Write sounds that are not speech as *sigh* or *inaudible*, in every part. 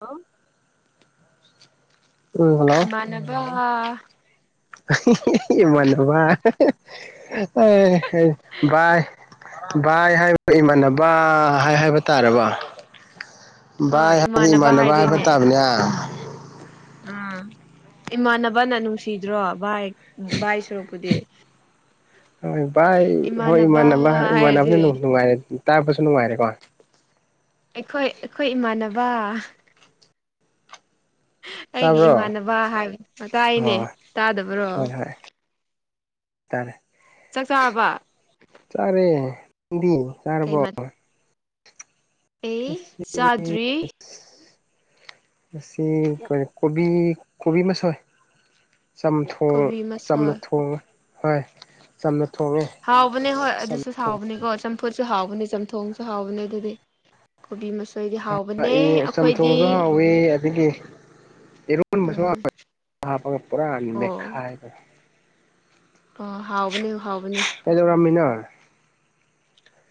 hello um hello ꯅꯦꯕ *unintelligible* ꯏꯃꯅꯕ *unintelligible* ꯚꯥꯏ ꯍꯥꯏꯕ ꯏꯃꯥꯟꯅꯕ ꯍꯥꯏ ꯍꯥꯏꯕ ꯇꯥꯔꯕ ꯚꯥꯏ ꯍꯥꯏꯗꯤ ꯏꯃꯥꯟꯅꯕ ꯍꯥꯏꯕ ꯇꯥꯕꯅꯤ ꯍꯥ ꯎꯝ ꯏꯃꯥꯟꯅꯕꯅ ꯅꯨꯡꯁꯤꯗ꯭ꯔꯣ ꯚꯥꯏ ꯚꯥꯏ ꯁꯔꯨꯛꯄꯨꯗꯤ ꯍꯣꯏ ꯚꯥꯏ ꯍꯣꯏ ꯏꯃꯥꯟꯅꯕ ꯏꯃꯥꯟꯅꯕ ꯍꯥꯏꯔꯗꯤ ꯅꯨꯡ ꯅꯨꯡꯉꯥꯏꯔꯦ ꯇꯥꯕꯁꯨ ꯅꯨꯡꯉꯥꯏꯔꯦꯀꯣ ꯑꯩꯈꯣꯏ ꯑꯈꯣꯏ ꯏꯃꯥꯟꯅꯕ ꯑꯩꯒꯤ ꯇꯥꯕ꯭ꯔꯣ ꯏꯃꯥꯟꯅꯕ ꯍꯥꯏꯕ ꯇꯥꯏꯅꯦ ꯑꯣ ꯇꯥꯗꯕ꯭ꯔꯣ ꯍꯣꯏ ꯍꯣꯏ ꯇꯥꯔꯦ ꯆꯥꯛ ꯆꯥꯔꯕ ꯆꯥꯔꯦ ꯅꯪꯗꯤ ꯀꯩ ꯆꯥꯔꯕꯣ ꯃꯠ ꯑꯩ ꯑꯁ ꯆꯥꯗ꯭ꯔꯤ *unintelligible* ꯉꯁꯤ ꯑꯈꯣꯏ ꯀꯣꯕꯤ ꯀꯣꯕꯤ ꯃꯁꯣꯏ ꯆꯝꯊꯣꯡ ꯀꯣꯕꯤ ꯆꯝꯅ ꯃꯁꯣꯏ ꯊꯣꯡꯉꯦ ꯍꯣꯏ ꯆꯝꯅ ꯊꯣꯡꯉꯦ ꯍꯥꯎꯕꯅꯦ ꯍꯣꯏ ꯆꯝꯅ ꯑꯗꯨꯁꯨ ꯊꯣꯡ ꯍꯥꯎꯕꯅꯦꯀꯣ ꯆꯝꯐꯨꯠꯁꯨ ꯍꯥꯎꯕꯅꯦ ꯆꯝꯊꯣꯡꯁꯨ ꯍꯥꯎꯕꯅꯦ ꯑꯗꯨꯗꯤ ꯀꯣꯕꯤ ꯃꯁ *unintelligible* ꯆꯝꯊꯣꯡꯁꯨ ꯍꯥꯎꯋꯤ ꯑꯗꯒꯤ ꯏꯔꯣꯟꯕꯁꯨ ꯎꯝ *unintelligible* ꯍꯥꯞꯄ ꯄꯨꯔꯥ ꯑꯣ ꯃꯦꯈꯥꯏꯔꯒ ꯑꯥ ꯍꯥꯎꯕꯅꯤ ꯍꯥꯎꯕꯅꯤ ꯀꯩꯗꯧꯔꯝꯃꯤꯅꯣ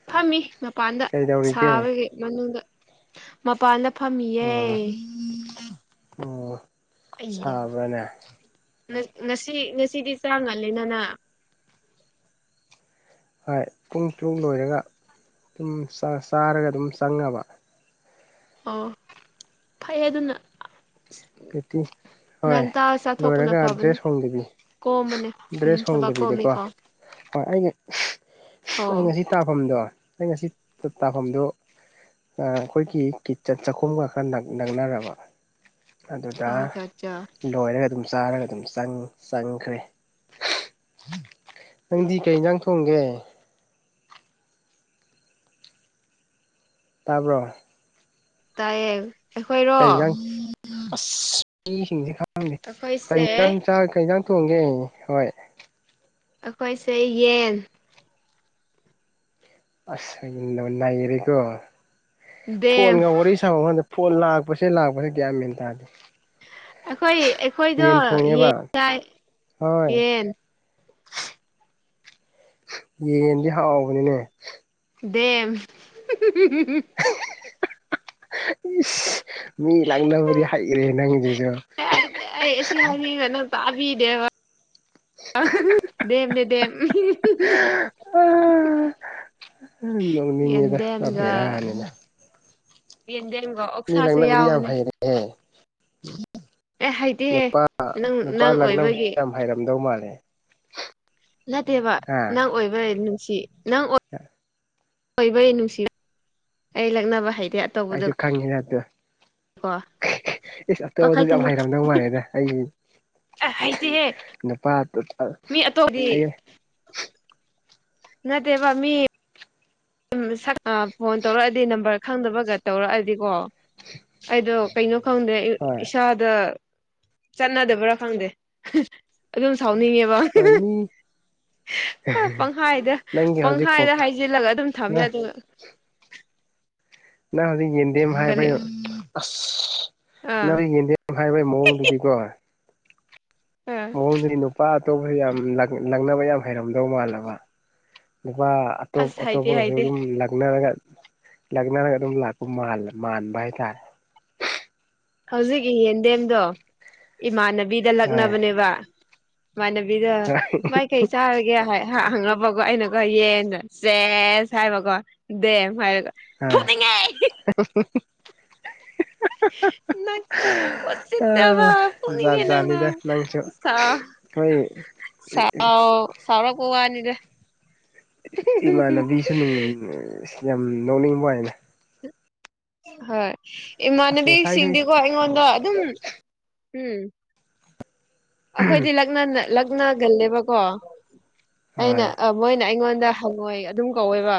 ꯐꯝꯃꯤ ꯃꯄꯥꯟꯗ ꯀꯩꯗꯧꯔꯤꯒꯦ ꯁꯥꯕꯒꯤ ꯃꯅꯨꯡꯗ ꯃꯄꯥꯟꯗ ꯐꯝꯃꯤꯌꯦ ꯑꯣ ꯑꯣ ꯑꯩꯌꯥ ꯁꯥꯕ꯭ꯔꯅꯦ ꯉꯁꯤ ꯉꯁꯤꯗꯤ ꯆꯥꯛ ꯉꯜꯂꯤꯅ ꯅꯪ ꯍꯣꯏ ꯄꯨꯡ ꯇꯔꯨꯛ ꯂꯣꯏꯔꯒ ꯑꯗꯨꯝ ꯆꯥ ꯆꯥꯔꯒ ꯑꯗꯨꯝ ꯆꯪꯉꯕ ꯑꯣ ꯐꯩ ꯑꯗꯨꯅ ꯂꯦꯞꯇꯤ ꯍꯣꯏ ꯉꯟꯇꯥ ꯆꯥꯊꯣꯛꯄꯅ ꯂꯣꯏꯔꯒ ꯐꯕꯅꯦ ꯗ꯭ꯔꯦꯁ ꯍꯣꯡꯗꯕꯤ ꯀꯣꯝꯕꯅꯦ ꯎꯝ ꯗ꯭ꯔꯦꯁ ꯊꯕꯛ ꯍꯣꯡꯗꯕꯤꯗꯀꯣ ꯀꯣꯝꯃꯤꯀꯣ ꯍꯣꯏ ꯑꯩ ꯑꯣ ꯑꯩ ꯉꯁꯤ ꯇꯕꯝꯗꯣ ꯑꯩ ꯉꯁꯤ ꯇꯕꯝꯗꯣ ꯑꯥ ꯈꯣꯏꯒꯤ ꯀꯤꯠ ꯆꯥꯈꯨꯝꯒ ꯈꯔ ꯅꯛꯅꯔꯕ ꯑꯗꯨꯗ ꯑꯆꯥ ꯑꯠꯆꯥ ꯂꯣꯏꯔꯒ ꯑꯗꯨꯝ ꯆꯥꯔꯒ ꯑꯗꯨꯝ ꯆꯪ ꯆꯪꯈ꯭ꯔꯦ ꯅꯪꯗꯤ ꯀꯩ ꯏꯟꯖꯥꯡ ꯊꯣꯡꯒꯦ ꯇꯥꯕ꯭ꯔꯣ ꯇꯥꯏꯌꯦ ꯑꯩꯈꯣꯏꯔꯣ ꯀꯩ ꯏꯟꯖꯥꯡ *unintelligible* ꯃꯤꯁꯤꯡꯁꯤ ꯈꯡꯗꯦ ꯀꯩ ꯑꯩꯈꯣꯏꯁꯦ ꯏꯟꯖꯥꯡ ꯆꯥꯔ ꯀꯩꯖꯥꯡ ꯊꯣꯡꯒꯦ ꯍꯣꯏ ꯑꯈꯣꯏꯁꯦ ꯌꯦꯟ ꯑꯁ ꯅ ꯅꯩꯔꯦꯀꯣ ꯗꯦꯝ ꯐꯣꯟꯒꯥ ꯋꯥꯔꯤ *unintelligible* ꯒꯥꯟꯗ ꯐꯣꯟ ꯂꯥꯛꯄꯁꯦ ꯂꯥꯛꯄꯁꯦ ꯒ꯭ꯌꯥꯟ ꯃꯦꯟ ꯇꯥꯗꯦ ꯑꯩꯈꯣꯏ ꯑꯩꯈꯣꯏꯗꯣ ꯌꯦꯟ ꯊꯣꯡꯉꯦꯕ ꯌꯦꯟ ꯆꯥꯏ ꯍꯣꯏ ꯌꯦꯟ ꯌꯦꯟꯗꯤ ꯍꯥꯎꯕꯅꯤꯅꯦ ꯗꯦꯝ *unintelligible* ꯏꯁ ꯃꯤ ꯂꯛꯅꯕꯗꯤ ꯍꯩꯔꯦ ꯅꯪꯖꯤꯁꯨ ꯑꯩ ꯑꯁꯤ ꯍꯥꯢꯕꯤꯒꯅꯣ ꯇꯥꯕꯤꯗꯦꯕ *unintelligible* ꯗꯦꯝꯅꯤ ꯗꯦꯝ *unintelligible* ꯎꯝ ꯅꯣꯛꯅꯤꯉꯦꯗ ꯄꯨꯔꯥ ꯌꯦꯟꯗꯦꯝꯒ ꯕꯦꯔꯥꯅꯤꯗ ꯌꯦꯟꯗꯦꯝꯒ ꯑꯣꯛꯁꯥꯁꯨ ꯌꯥꯎꯕꯅꯤ ꯑꯦ *unintelligible* ꯑꯦ ꯍꯩꯇꯦꯍꯦ ꯅꯨꯄꯥ ꯅꯪ ꯅꯨꯄꯥ ꯅꯪ ꯂꯛꯅꯕꯁꯤ ꯑꯣꯏꯕꯒꯤ ꯌꯥꯝ ꯍꯩꯔꯝꯗꯧ ꯃꯥꯜꯂꯦ *unintelligible* ꯅꯠꯇꯦꯕ ꯍꯥ ꯅꯪ ꯑꯣꯏꯕꯩ ꯅꯨꯡꯁꯤ ꯅꯪ ꯑꯣꯢ ꯑꯣꯏꯕꯩ ꯅꯨꯡꯁꯤꯕꯩ *unintelligible* ꯑꯩ ꯂꯛꯅꯕ ꯍꯩꯇꯦ ꯑꯩꯁꯨ ꯑꯇꯧꯕꯗꯀꯣ ꯈꯪꯉꯤꯗ ꯑꯗꯨ *unintelligible* ꯏꯁ ꯑꯇꯣꯞꯄꯗꯁꯨ ꯌꯥꯝ ꯄꯥꯈꯠꯀꯅꯨ ꯍꯩꯔꯝꯗꯧ ꯃꯥꯜꯂꯤꯗ ꯑꯩ ꯑꯦ ꯍꯩꯇꯦꯍꯦ *unintelligible* ꯅꯨꯄꯥ ꯑꯇꯣꯄ *unintelligible* ꯃꯤ ꯑꯇꯣꯞꯄꯗꯤ ꯅꯠꯇꯦꯕ ꯃꯤ *unintelligible* ꯐꯣꯟ ꯇꯧꯔꯛꯑꯗꯤ ꯅꯝꯕꯔ ꯈꯪꯗꯕꯒ ꯇꯧꯔꯛꯑꯗꯤꯀꯣ ꯑꯩꯗꯣ ꯀꯩꯅꯣ ꯈꯪꯗꯦ ꯍꯣꯏ *unintelligible* ꯏꯁꯥꯗ ꯆꯠꯅꯗꯕ꯭ꯔꯥ ꯈꯪꯗꯦ *unintelligible* ꯑꯗꯨꯝ ꯁꯥꯎꯅꯤꯡꯉꯦꯕ ꯍꯣꯏ *unintelligible* ꯃꯤ *unintelligible* ꯄꯪꯍꯥꯏꯗ ꯅꯪꯒꯤ ꯍꯧꯖꯤꯛ ꯀꯣꯛ ꯄꯪꯍꯥꯏꯗ ꯍꯥꯏꯖꯤꯜꯂꯒ ꯑꯗꯨꯝ ꯅꯪ *unintelligible* ꯅꯪ ꯍꯧꯖꯤꯛ ꯌꯦꯟꯗꯦꯝ ꯀꯔꯤ ꯍꯥꯏꯕꯩ *unintelligible* ꯑꯁ ꯑꯥ ꯅꯍꯣꯏ ꯌꯦꯟꯗꯦꯝ ꯍꯥꯏꯕꯩ ꯃꯑꯣꯡꯗꯨꯗꯤꯀꯣ ꯑꯥ ꯃꯑꯣꯡꯗꯨꯗꯤ ꯅꯨꯄꯥ ꯑꯇꯣꯞꯄꯁꯨ ꯌꯥꯝ ꯂꯛ ꯂꯛꯅꯕ ꯌꯥꯝ ꯍꯩꯔꯝꯗꯧ ꯃꯥꯜꯂꯕ ꯅꯨꯄꯥ ꯑꯇꯣꯞ ꯑꯁ ꯍꯩꯇꯦ ꯑꯇꯣꯞꯄꯒꯁꯨ ꯍꯩꯇꯦ ꯗꯨꯝ ꯂꯛꯅꯔꯒ ꯂꯛꯅꯔꯒ ꯑꯗꯨꯝ ꯂꯥꯛꯄ ꯃꯥꯜ ꯃꯥꯟꯕ ꯍꯥꯏꯇꯥꯔ ꯍꯧꯖꯤꯛꯀꯤ ꯌꯦꯟꯗꯦꯝꯗꯣ ꯏꯃꯥꯟꯅꯕꯤꯗ ꯍꯣꯏ ꯂꯛꯅꯕꯅꯦꯕ ꯃꯥꯟꯅꯕꯤꯗ ꯍꯣꯏ ꯕꯥꯏ ꯀꯩ ꯆꯥꯔꯒꯦ ꯍꯥꯏ ꯍꯥ ꯍꯪꯔꯛꯕꯀꯣ ꯑꯩꯅꯀꯣ ꯌꯦꯟ ꯁꯦꯁ ꯍꯥꯏꯕꯀꯣ ꯗꯦꯝ ꯍꯥꯏꯔꯒ ꯐꯨꯅꯤꯡꯉꯦ ꯍꯣꯏ *unintelligible* *unintelligible* ꯎꯁꯤꯠꯇꯕ ꯖꯥꯠ ꯐꯨꯅꯤꯡꯉꯦ ꯅꯪ ꯖꯥꯠꯅꯤꯗ ꯅꯪꯁꯨ *unintelligible* ꯁꯥ ꯍꯣꯏ ꯁꯥꯎ ꯁꯥꯎꯔꯛꯄ ꯋꯥꯅꯤꯗ ꯏꯃꯥꯟꯅꯕꯤꯁꯨ ꯅꯨꯡ ꯌꯥꯝ ꯅꯣꯛꯅꯤꯡꯕ꯭ꯋꯥꯅꯤꯗ ꯍꯣꯏ ꯑꯁ ꯉꯁꯥꯏꯈꯩ ꯏꯃꯥꯟꯅꯕꯤꯁꯤꯡꯗꯤꯀꯣ ꯑꯩꯉꯣꯟꯗ ꯑꯗꯨꯝ *unintelligible* ꯎꯝ ꯑꯈꯣꯏꯗꯤ ꯂꯛꯅ ꯅ ꯂꯛꯅꯒꯜꯂꯦꯕꯀꯣ ꯑꯩꯅ ꯍꯣꯏ *unintelligible* ꯃꯣꯏꯅ ꯑꯩꯉꯣꯟꯗ ꯍꯪꯉꯣꯏ ꯑꯗꯨꯝ ꯀꯧꯋꯦꯕ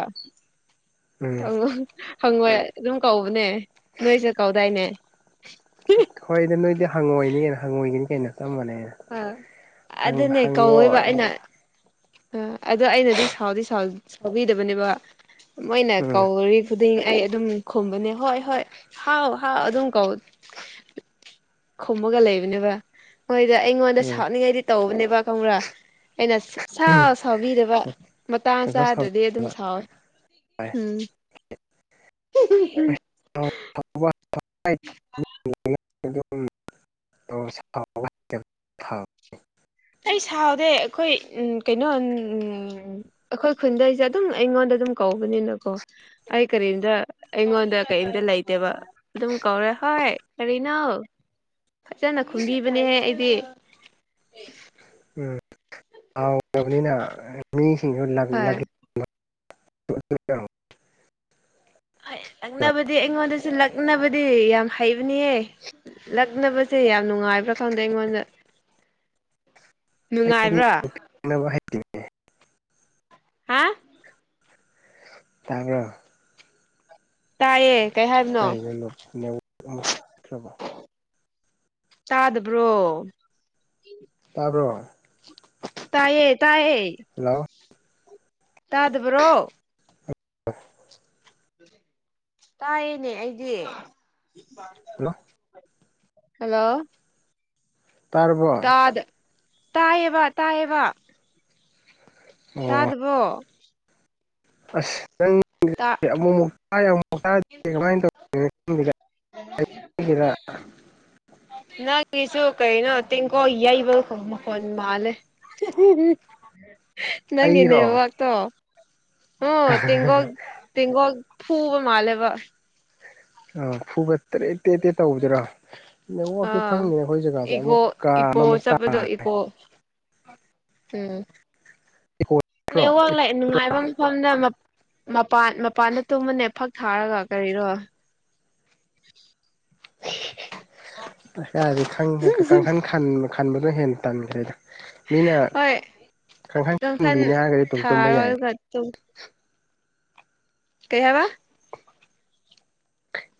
ꯎꯝ *unintelligible* ꯍꯪꯉꯣꯏ ꯑꯗꯨꯝ ꯀꯧꯕꯅꯦ ꯅꯣꯏꯁꯨ ꯀꯧꯗꯥꯏꯅꯦ ꯍꯣꯏꯗ ꯅꯣꯏꯗꯤ ꯍꯪꯉꯣꯏꯅꯤ ꯍꯪꯉꯣꯏꯅꯤ ꯀꯩꯅꯣ ꯆꯞ ꯃꯥꯅꯩꯅ ꯑꯥ ꯍꯪ ꯍꯪꯉꯣꯏ ꯑꯩ ꯑ ꯑꯗꯣ ꯑꯩꯅꯗꯤ ꯁꯥꯎꯗꯤ ꯁꯥꯎꯕꯤꯗꯕꯅꯦꯕ ꯃꯣꯏꯅ ꯎꯝ ꯀꯧꯔꯤ ꯈꯨꯗꯤꯡ ꯑꯩ ꯑꯗꯨꯝ ꯈꯨꯝꯕꯅꯦ ꯍꯣꯏ ꯍꯣꯏ ꯍꯥꯎ ꯍꯥꯎ ꯑꯗꯨꯝ ꯀꯧ ꯈꯨꯝꯃꯒ ꯂꯩꯕꯅꯦꯕ ꯃꯣꯏꯗꯣ ꯑꯩꯉꯣꯟꯗ ꯎꯝ ꯁꯥꯎꯅꯤꯡꯉꯩꯗꯤ ꯇꯧꯕꯅꯦꯕ ꯈꯪꯕ꯭ꯔꯥ ꯑꯩꯅ ꯁꯨꯛꯁꯥꯎ ꯁꯥꯎꯕꯤꯗꯕ ꯃꯇꯥꯡ ꯆꯥꯗ꯭ꯔꯗꯤ ꯑꯗꯨꯝ ꯁꯥꯎꯋꯦ ꯎꯝ *unintelligible* *unintelligible* ꯑꯩ ꯁꯥꯎꯗꯦ ꯑꯩꯈꯣꯏ ꯎꯝ ꯀꯩꯅꯣ ꯎꯝ ꯑꯈꯣꯏ ꯈꯨꯟꯗꯩꯁꯦ ꯑꯗꯨꯝ ꯑꯩꯉꯣꯟꯗ ꯑꯗꯨꯝ ꯀꯧꯕꯅꯤꯅꯀꯣ ꯑꯩ ꯀꯔꯤꯝꯇ ꯑꯩꯉꯣꯟꯗ ꯀꯩꯝꯇ ꯂꯩꯇꯦꯕ ꯑꯗꯨꯝ ꯀꯧꯔꯦ ꯍꯣꯏ ꯀꯔꯤꯅꯣ ꯐꯖꯅ ꯈꯨꯝꯕꯤꯕꯅꯦꯍꯦ ꯑꯩꯗꯤ ꯎꯝ ꯁꯥꯎꯈ꯭ꯔꯕꯅꯤꯅ ꯃꯤꯁꯤꯡꯁꯨ ꯂꯪ ꯍꯣꯏ ꯂꯛ *unintelligible* *inaudible* ꯍꯩ ꯂꯛꯅꯕꯗꯤ ꯑꯩꯉꯣꯟꯗꯁꯨ ꯂꯛꯅꯕꯗꯤ ꯌꯥꯝ ꯍꯩꯕꯅꯤꯍꯦ ꯂꯛꯅꯕꯁꯦ ꯌꯥꯝ ꯅꯨꯡꯉꯥꯏꯕ꯭ꯔꯥ ꯈꯪꯗꯦ ꯑꯩꯉꯣꯟꯗ ꯑꯩꯗꯤ ꯅꯨꯡꯉꯥꯏꯕ꯭ꯔꯥ *unintelligible* ꯂꯛꯅꯕ ꯍꯩꯇꯦ ꯍꯥ ꯇꯥꯕ꯭ꯔꯥ ꯇꯥꯏꯌꯦ ꯀꯩ ꯍꯥꯏꯕꯅꯣ ꯀꯩꯅꯣ ꯅꯨ ꯅꯦꯠꯋꯥꯛ ꯃꯨꯠꯈ꯭ꯔꯕꯣ ꯇꯥꯗꯕ꯭ꯔꯣ ꯇꯥꯕ꯭ꯔꯣ ꯇꯥꯏꯌꯦ ꯇꯥꯏꯌꯦ ꯍꯜꯂꯣ ꯇꯥꯗꯕ꯭ꯔꯣ *unintelligible* ꯇꯥꯏꯌꯦꯅꯦ ꯑꯩꯗꯤ ꯍꯜꯂꯣ ꯍꯜꯂꯣ ꯇꯥꯔꯕꯣ ꯑꯣ ꯇꯥꯗ ꯇꯥꯏꯌꯦꯕ ꯇꯥꯏꯌꯦꯕ ꯇꯥꯗꯕꯣ ꯑꯁ ꯅꯪ ꯑꯃꯨꯛ ꯍꯥꯏ ꯑꯃꯨꯛ ꯍꯥꯏ ꯀꯃꯥꯏꯅ ꯇꯧ ꯑꯩꯒꯤꯔ ꯑꯩꯒꯤꯁꯨ ꯀꯩꯅꯣ ꯇꯦꯡꯀꯣ ꯌꯩꯕ ꯃꯈꯣꯜ ꯃꯥꯜꯂꯦ ꯅꯪꯒꯤ ꯑꯩꯔꯣ ꯅꯦꯠꯋꯥꯥꯛꯇꯣ ꯍꯣ ꯇꯦꯡꯒꯣꯠ ꯑꯥ ꯇꯦꯡꯒꯣꯠ ꯐꯨꯕ ꯃꯥꯂꯦꯕ ꯑ ꯐꯨꯒꯠꯇ꯭ꯔꯦ ꯇꯦ ꯗꯦꯠ ꯇꯧꯕꯗꯨꯔꯣ ꯅꯦꯠꯋꯥꯛꯁꯦ ꯑꯥ ꯈꯪꯅꯤꯅꯦ ꯑꯩꯈꯣꯏ ꯖꯒꯥꯁꯦ ꯏꯀꯣ ꯑꯃꯨꯛ ꯀꯥ ꯏꯀꯣ ꯑꯃꯃꯨꯛ ꯇꯥ ꯆꯠꯄꯗꯣ ꯏꯀꯣ ꯎꯝ ꯏꯀꯣꯠꯇ꯭ꯔꯣ ꯅꯦꯠꯋꯥꯛ ꯂꯩ ꯅꯨꯡꯉꯥꯏꯕ ꯑꯃ ꯁꯣꯝꯗ ꯃꯞ ꯃꯄꯥꯟ ꯃꯄꯥꯟꯗ ꯇꯨꯝꯃꯨꯅꯦ ꯐꯛ ꯊꯥꯔꯒ ꯀꯔꯤꯔꯣ ꯑ ꯑꯁ ꯀꯥꯏꯗꯒꯤ ꯈꯪ ꯀꯥꯡꯈꯟ ꯈꯟꯕꯗꯣ ꯍꯦꯟꯅ ꯇꯟꯈ꯭ꯔꯦꯗ ꯃꯤꯅ ꯍꯣꯏ ꯀꯥꯡꯈꯟ ꯈꯪꯍꯟꯕꯤꯅꯤ ꯍꯥꯏꯔꯒꯗꯤ ꯑꯗꯨꯨꯝ ꯇꯨꯝꯕ ꯊꯥꯔꯣ ꯌꯥꯏ ꯑꯗꯨꯒ ꯇꯨꯝ ꯀꯩ ꯍꯥꯏꯕ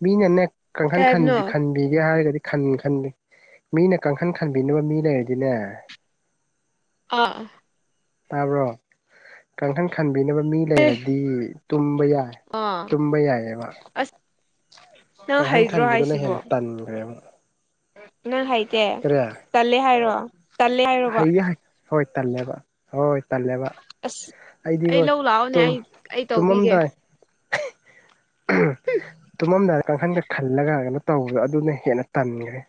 ꯃꯤꯅꯅꯦ ꯀꯪꯈꯟ ꯀꯩ ꯍꯥꯏꯕꯅꯣ ꯈꯟꯕꯤ ꯈꯟ ꯕꯦꯒꯤ ꯍꯥꯏꯔꯒꯗꯤ ꯈꯟ ꯈꯟꯗꯦ ꯃꯤꯅ ꯀꯥꯡꯈꯟ ꯈꯟꯕꯤꯅꯕ ꯃꯤ ꯂꯩꯔꯗꯤꯅꯦ ꯑꯥ ꯇꯥꯕ꯭ꯔꯣ ꯀꯥꯡꯈꯟ ꯈꯟꯕꯤꯅꯕ ꯃꯤ ꯂꯩꯔꯗꯤ ꯇꯨꯝꯕ ꯌꯥꯏ ꯑꯥ ꯇꯨꯝꯕ ꯌꯥꯏꯑꯕ ꯑꯁ ꯅꯪ ꯀꯥꯡꯈꯟ ꯍꯩꯗ꯭ꯔꯣ ꯈꯟꯕꯗꯨꯅ ꯍꯥꯏꯁꯤꯕꯣ ꯍꯦꯟꯅ ꯇꯟꯈ꯭ꯔꯦꯕ ꯅꯪ ꯍꯩꯇꯦ ꯀꯔꯤ ꯇꯜꯂꯦ ꯍꯥꯏꯔꯣ ꯇꯜꯂꯦ ꯍꯥꯏꯔꯣꯕ ꯍꯩꯗꯤ ꯍꯩ ꯍꯣꯏ ꯇꯜꯂꯦꯕ ꯍꯣꯏ ꯇꯜꯂꯦꯕ ꯑꯁ ꯑꯩ ꯑꯩꯗꯤꯉꯣ ꯂꯧ ꯂꯥꯛꯑꯣꯅꯦ ꯇꯨꯝ ꯑꯩ ꯑꯩ ꯇꯧꯕꯤꯒꯦ ꯇꯨꯃꯝꯗꯥꯏ ꯇꯨꯝꯃꯝꯗꯥꯏꯗ ꯀꯥꯡꯈꯟꯗ ꯈꯜꯂꯒ ꯀꯩꯅꯣ ꯇꯧꯕꯗꯣ ꯑꯗꯨꯅ ꯍꯦꯟꯅ ꯇꯟꯈ꯭ꯔꯦ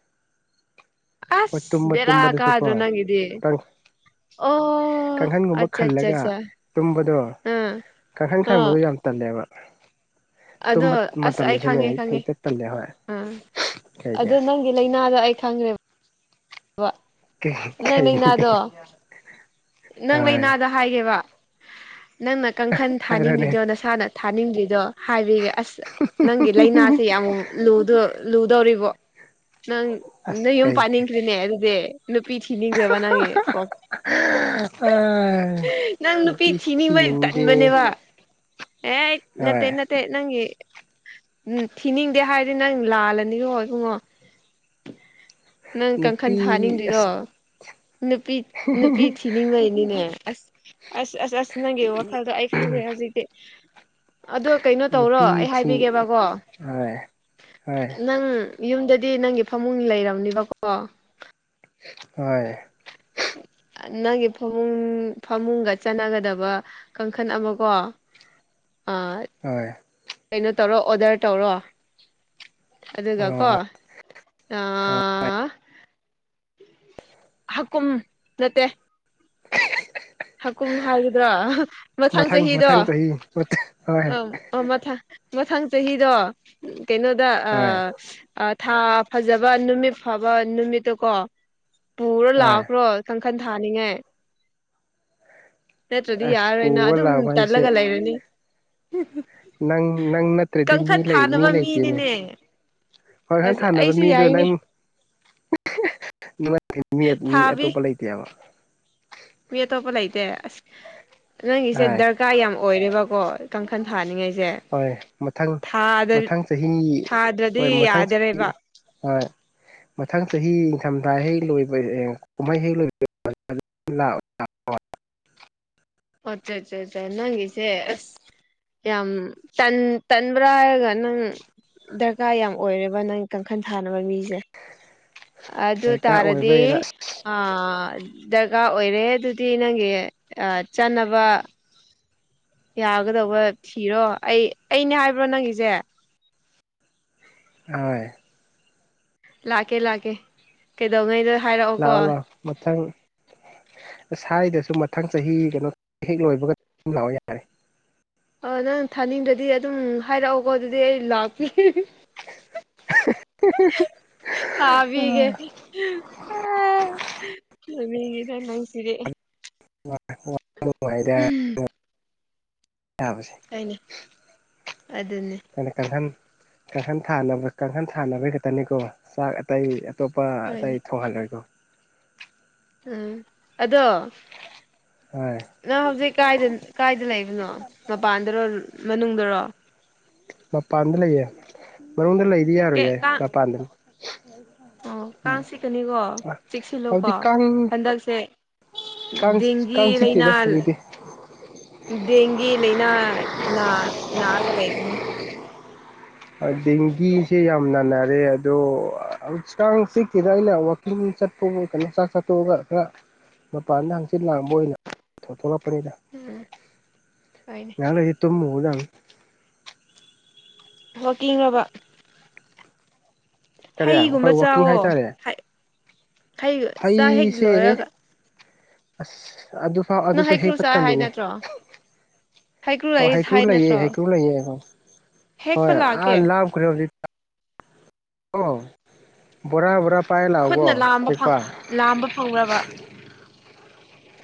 ꯍꯣꯏ ꯑꯁ ꯇꯨꯝꯕ ꯕꯦꯔꯥ ꯇꯨꯝꯕꯗꯁꯨꯀꯣ ꯀꯥꯗ꯭ꯔꯣ ꯅꯪꯒꯤꯗꯤ ꯇꯪ ꯑꯣ ꯀꯥꯡꯈꯟꯒꯨꯝꯕ ꯑꯠꯆꯥ ꯑꯠꯆꯥ ꯈꯜꯂꯒ ꯑꯠꯆꯥ ꯇꯨꯝꯕꯗꯣ ꯑꯥ ꯀꯥꯡꯈꯟ ꯑꯥ ꯈꯪꯕꯗꯣ ꯌꯥꯝ ꯇꯜꯂꯦꯕ ꯑꯗꯣ ꯇꯨꯝꯕ ꯑꯁ ꯑꯩ ꯃꯇꯝꯗꯁꯨꯅꯦ ꯈꯪꯉꯦ ꯈꯪꯉꯦ ꯍꯦꯛꯇ ꯇꯜꯂꯦ ꯍꯣꯏ ꯑ ꯀꯩꯒꯤ ꯑꯗꯣ ꯅꯪꯒꯤ ꯂꯩꯅꯥꯗꯣ ꯑꯩ ꯈꯪꯈ꯭ꯔꯦꯕ ꯀꯩ ꯅꯪ ꯀꯩꯒꯤ ꯂꯩꯅꯥꯗꯣ ꯅꯪ ꯍꯣꯏ ꯂꯩꯅꯥꯗ ꯍꯥꯏꯒꯦꯕ ꯅꯪꯅ ꯀꯥꯡꯈꯟ ꯍꯥꯏꯔꯣꯅꯦ ꯊꯥꯅꯤꯡꯗ꯭ꯔꯤꯗꯣ ꯅꯁꯥꯅ ꯊꯥꯅꯤꯡꯗ꯭ꯔꯤꯗꯣ ꯍꯥꯏꯕꯤꯒꯦ ꯑꯁ ꯅꯪꯒꯤ ꯂꯩꯅꯥꯁꯤ ꯌꯥꯝ ꯂꯨꯗꯣ ꯂꯨꯗꯧꯔꯤꯕꯣ ꯅꯪ ꯑꯁ ꯅꯣꯏ ꯌꯨꯝ ꯀꯩ ꯀꯩ ꯄꯥꯅꯤꯡꯈ꯭ꯔꯤꯅꯦ ꯑꯗꯨꯗꯤ ꯅꯨꯄꯤ ꯊꯤꯅꯤꯡꯈ꯭ꯔꯦꯕ ꯅꯪꯒꯤ ꯑꯣ ꯑ ꯅꯪ ꯅꯨꯄꯤ ꯅꯨꯄꯤꯁꯨ ꯊꯤꯅꯤꯡꯕꯩ ꯊꯤꯅꯤꯡꯗꯦ ꯇꯟꯕꯅꯦꯕ ꯑꯦ ꯅꯠꯇꯦ ꯍꯣꯏ ꯅꯠ ꯇꯦ ꯅꯪꯒꯤ ꯊꯤꯅꯤꯡꯗꯦ ꯍꯥꯏꯔꯗꯤ ꯅꯪ ꯂꯥꯜꯂꯅꯤꯔꯣ ꯏꯕꯨꯡꯉꯣ *inaudible* ꯅꯪ ꯀꯥꯡꯈꯟ ꯊꯥꯅꯤꯡꯗ꯭ꯔꯤꯔꯣ ꯑꯁ ꯅꯨꯄꯤ ꯅꯨꯄꯤ ꯊꯤꯅꯤꯡꯕꯩꯅꯤꯅꯦ ꯑꯁ ꯑꯁ ꯑꯁ ꯑꯁ ꯅꯪꯒꯤ ꯋꯥꯈꯜꯗꯣ ꯑꯩ ꯈꯪꯈ꯭ꯔꯦ ꯍꯧꯖꯤꯛꯇꯤ ꯑꯗꯣ ꯀꯩꯅꯣ ꯇꯧꯔꯣ ꯅꯨꯄꯤ ꯑꯩ ꯊꯤ ꯍꯥꯏꯕꯤꯒꯦꯕꯀꯣ ꯍꯣꯏ ꯍꯣꯏ ꯅꯪ ꯌꯨꯝꯗꯗꯤ ꯅꯪꯒꯤ ꯐꯃꯨꯡ ꯂꯩꯔꯕꯅꯦꯕꯀꯣ ꯍꯣꯏ ꯅꯪꯒꯤ ꯐꯃꯨꯡ ꯐꯃꯨꯡꯒ ꯆꯟꯅꯒꯗꯕ ꯀꯥꯡꯈꯜ ꯑꯃꯀꯣ ꯑ ꯍꯣꯏ ꯀꯩꯅꯣ ꯇꯧꯔꯣ ꯑꯣꯗꯔ ꯇꯧꯔꯣ ꯑꯗꯨꯒꯀꯣ ꯑꯣ ꯑꯥ ꯍꯀꯨꯝ ꯅꯠꯇꯦ ꯍꯀꯨꯝ ꯍꯥꯏꯒꯗ꯭ꯔ ꯃꯊꯪ ꯆꯍꯤꯗꯣ ꯃꯊꯪ ꯆꯍꯤ ꯍꯣꯏ ꯑꯝ ꯑ ꯃꯊꯪ ꯃꯊꯪ ꯆꯍꯤꯗꯣ ꯀꯩꯅꯣꯗ ꯑ ꯍꯣꯏ ꯑꯥ ꯊꯥ ꯐꯖꯕ ꯅꯨꯃꯤꯠ ꯐꯕ ꯅꯨꯃꯤꯠꯇꯀꯣ ꯄꯨꯔ ꯍꯣꯏ ꯂꯥꯛꯈ꯭ꯔꯣ ꯀꯥꯡꯈꯟ ꯊꯥꯅꯤꯡꯉꯥꯢ ꯅꯠꯇ꯭ꯔꯗꯤ ꯑꯁ ꯌꯥꯔꯔꯣꯏ ꯅꯪ ꯄꯨꯕ ꯑꯗꯨꯝ ꯂꯥꯛꯑꯣ ꯇꯜꯂꯒ ꯍꯥꯏꯁꯦ ꯂꯩꯔꯅꯤ ꯅꯪ ꯅꯪ ꯅꯠꯇ꯭ꯔꯗꯤ ꯃꯤ ꯀꯥꯡꯈꯟ ꯂꯩ ꯃꯤ ꯊꯥꯅꯕ ꯂꯩꯇꯦꯅꯦ ꯃꯤꯅꯤꯅꯦ ꯍꯣꯏꯍꯟ ꯑꯁ ꯊꯥꯅꯕ ꯑꯩꯁꯨ ꯃꯤꯗꯣ ꯌꯥꯏꯅꯦ ꯅꯪ ꯅꯨꯡꯉꯥꯏ ꯇꯦ ꯃꯤ ꯃꯤ ꯊꯥꯕꯤ ꯑꯇꯣꯞꯄ ꯂꯩꯇꯦ ꯍꯥꯢꯕ ꯃꯤ ꯑꯇꯣꯞꯄ ꯂꯩꯇꯦ ꯑꯁ ꯅꯪꯒꯤꯁꯦ ꯍꯣꯏ ꯗꯔꯛ ꯀꯥ ꯌꯥꯝ ꯑꯣꯏꯔꯦꯕꯀꯣ ꯀꯥꯡꯈꯜ ꯊꯥꯅꯤꯡꯉꯥꯢꯁꯦ ꯍꯣꯏ ꯃꯊꯪ ꯃꯊꯪ ꯆꯍꯤ ꯊꯥꯗ꯭ꯔꯗꯤ ꯍꯣꯏ ꯃꯊꯪ ꯆꯍꯤ ꯌꯥꯗꯔꯦꯕ ꯍꯣꯏ ꯃꯊꯪ ꯆꯍꯤ ꯅꯤꯡꯊꯝꯊꯥ ꯍꯦꯛ ꯂꯣꯏꯕ ꯑꯦ ꯀꯨꯝꯍꯩ ꯍꯦꯛ ꯂꯣꯏꯕ *unintelligible* ꯑꯠꯆꯥ ꯆꯥ ꯆꯥ ꯅꯪꯒꯤꯁꯦ ꯑꯁ ꯌꯥꯝ ꯇꯟ ꯇꯟꯕ꯭ꯔꯥ ꯍꯥꯢꯔꯒ ꯅꯪ ꯗꯔꯀꯥꯔ ꯌꯥꯝ ꯑꯣꯏꯔꯦꯕ ꯅꯪ ꯀꯥꯡꯈꯜ ꯊꯥꯅꯕ ꯃꯤꯖꯦ ꯑꯗꯨ ꯗꯔꯀꯥꯔ ꯇꯥꯔꯗꯤ ꯑꯣꯏꯕꯩꯔ ꯑꯥ ꯗꯔꯀꯥꯔ ꯑꯣꯏꯔꯦ ꯑꯗꯨꯗꯤ ꯅꯪꯒꯤ ꯑꯥ ꯆꯥꯟꯅꯕ ꯌꯥꯒꯗꯧꯕ ꯊꯤꯔꯣ ꯑꯩ ꯑꯩꯅꯦ ꯍꯥꯢꯕ꯭ꯔꯣ ꯅꯪꯒꯤꯖꯦ ꯑꯣꯢ ꯂꯥꯛꯀꯦ ꯂꯥꯛꯀꯦ ꯀꯩꯗꯧꯉꯩ ꯔꯥ ꯂꯥꯛꯑꯣ ꯂꯥꯛꯑꯣ ꯃꯊꯪ ꯑꯁ ꯍꯥꯢꯗꯁꯨ ꯃꯊꯪ ꯆꯍꯤ ꯀꯩꯅꯣ ꯍꯦꯛ ꯂꯣꯢꯕꯒ ꯑꯗꯨꯝ ꯂꯥꯛꯑꯣ ꯌꯥꯔꯦ ꯑꯣ ꯅꯪ ꯊꯥꯅꯤꯡꯗꯗꯤ ꯑꯗꯨꯝ ꯍꯥꯢꯔꯛꯑꯣꯀꯣ ꯑꯗꯨꯗꯤ ꯑꯩ ꯂꯥꯛꯄꯤꯀꯦ *unintelligible* ꯊꯥꯕꯤꯒꯦ ꯎꯝ *unintelligible* *unintelligible* ꯑꯩꯅꯦ ꯑꯗꯨꯅꯤ ꯅꯪꯅ ꯀꯥꯡꯈꯟ ꯀꯥꯡꯈꯟ ꯊꯥꯅꯕ ꯀꯥꯡꯈꯟ ꯊꯥꯅꯕꯩ ꯈꯛꯇꯅꯤꯀꯣ ꯆꯥꯛ ꯑꯇꯩ ꯑꯇꯣꯞꯄ ꯑꯇꯩ ꯍꯣꯏꯅꯦ ꯊꯣꯡꯍꯜꯂꯣꯢꯀꯣ ꯎꯝ ꯑꯗꯣ ꯍꯣꯏ ꯅꯪ ꯍꯧꯖꯤꯛ ꯀꯥꯢꯗ ꯀꯥꯢꯗ ꯂꯩꯕꯅꯣ ꯃꯄꯥꯟꯗꯔꯣ ꯃꯅꯨꯡꯗꯔꯣ ꯃꯄꯥꯟꯗ ꯂꯩꯌꯦ ꯃꯅꯨꯡꯗ ꯂꯩꯗꯤ ꯌꯥꯔꯣꯢꯌꯦ ꯀꯥꯡ ꯃꯄꯥꯟꯗ ꯑꯣ ꯀꯥꯡ ꯆꯤꯛꯀꯅꯤꯀꯣ ꯆꯤꯛꯁꯤꯜꯂꯨꯀꯣ ꯍꯧꯖꯤꯛꯇꯤ ꯀꯥꯡ ꯍꯟꯗꯛꯁꯦ ꯀꯥꯡ ꯗꯦꯡꯒꯤ ꯀꯥꯡ ꯆꯤꯛꯇꯦꯗ ꯂꯩꯅꯥꯜ ꯍꯧꯖꯤꯛꯇꯤ ꯗꯦꯡꯒꯤ ꯂꯩꯢꯅꯥ ꯅꯥ ꯅꯥꯔꯒ ꯂꯩꯕꯅꯦ ꯗꯦꯡꯒꯤꯁꯦ ꯌꯥꯝ ꯅꯥꯅꯔꯦ ꯑꯗꯣ ꯍꯧ ꯀꯥꯡꯆꯤꯛ *unintelligible* ꯇꯣꯛꯑꯒ ꯈꯔ ꯃꯄꯥꯟꯗ ꯍꯪꯆꯤꯛ ꯂꯥꯡꯕ ꯑꯣꯢꯅ ꯊꯣꯛꯂꯛꯄꯅꯤꯗ ꯎꯝ ꯍꯣꯢꯅꯦ ꯉꯍꯥꯛ ꯂꯩꯔꯗꯤ ꯇꯨꯝꯃꯨꯔꯗꯝꯃꯤ ꯋꯥꯀꯤꯡꯔꯣꯕ ꯀꯔꯤ ꯍꯩꯒꯨꯝꯕ ꯍꯣꯏ ꯋꯥꯛꯀꯤꯡ ꯆꯥꯋꯣ ꯍꯥꯏꯇꯥꯔꯦ ꯍꯩ ꯍꯩ ꯆꯥꯛ ꯍꯦꯛ ꯍꯩꯁꯦ ꯂꯣꯢꯔꯒ ꯑꯁ ꯑꯗꯨ ꯐꯥꯎ ꯅꯪ ꯑꯗꯨꯁꯨ ꯍꯩꯀ꯭ꯔꯨ ꯍꯦꯛꯄ ꯆꯥꯏ ꯍꯥꯏ ꯇꯜꯂꯤꯅꯦ ꯅꯠꯇ꯭ꯔꯣ ꯑꯣ ꯂꯩ ꯍꯩꯀ꯭ꯔꯨ ꯍꯥꯏ ꯂꯩꯌꯦ ꯅꯠꯇ꯭ꯔꯣ ꯍꯩꯀ꯭ꯔꯨ ꯂꯩꯌꯦ ꯍꯣꯢ ꯍꯦꯛꯄ ꯍꯣꯢ ꯑꯥ ꯂꯥꯛꯀꯦ ꯂꯥꯞ *unintelligible* ꯀꯣ ꯕꯣꯔꯥ ꯕꯣꯔꯥ ꯄꯥꯏ ꯂꯥꯛꯑꯣꯀꯣ ꯈꯨꯠꯅ ꯂꯥꯝꯕ ꯐꯪ ꯍꯦꯛꯄ ꯂꯥꯝꯕ ꯐꯪꯕ꯭ꯔꯕ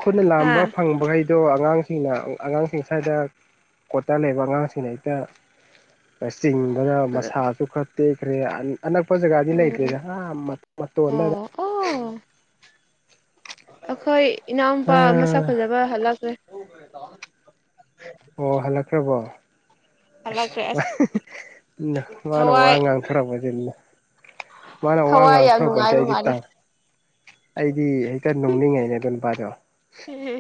ꯈꯨꯠꯅ ꯍꯥ ꯂꯥꯝꯕ ꯐꯪꯕꯒꯩ ꯑꯗꯣ ꯑꯉꯥꯡꯁꯤꯡꯅ ꯑꯉꯥꯡꯁꯤꯡ ꯁꯥꯢꯗ ꯀꯣꯇꯔ ꯂꯩꯕ ꯑꯉꯥꯡꯁꯤꯡꯅ ꯍꯦꯛꯇ ꯆꯤꯡꯕꯗ ꯃꯁꯥꯁꯨ ꯈꯔ ꯇꯦꯛꯈ꯭ꯔꯦ ꯑꯅꯛꯄ ꯖꯒꯥꯗꯤ ꯎꯝ ꯂꯩꯇ꯭ꯔꯦꯗ ꯑꯥ ꯃ ꯑꯣ ꯃꯇꯣꯟꯗꯗ ꯑꯈꯣꯢ ꯏꯅꯥꯎꯄꯥ ꯃꯁꯛ ꯐꯖꯕ ꯍꯂꯛꯀ꯭ꯔꯦ ꯍꯣ ꯍꯜꯂꯛꯈ꯭ꯔꯕꯣ ꯍꯜꯂꯛꯈ꯭ꯔꯦ ꯑꯁ *unintelligible* ꯊꯋꯥꯏ ꯃꯥꯅ ꯋꯥ ꯊꯋꯥꯏ ꯌꯥꯝ ꯉꯥꯡꯊꯣꯔꯛꯄꯁꯦ ꯅꯨꯡꯉꯥꯏꯕ ꯑꯩꯗꯤ ꯃꯥꯜꯂꯦ ꯇꯥꯡ ꯑꯩꯗꯤ ꯍꯦꯛꯇ ꯅꯣꯡꯅꯤꯡꯉꯩꯅꯦ ꯑꯗꯨ ꯅꯨꯄꯥꯗꯣ *unintelligible*